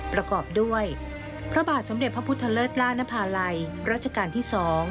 ประกอบด้วยพระบาทสมเด็จพระพุทธเลิศล่านภาลัยรัชกาลที่๒